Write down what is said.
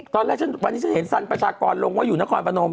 ตอนแรกวันนี้ฉันเห็นสันประชากรลงว่าอยู่ในกรณ์ประนม